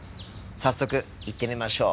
早速行ってみましょう。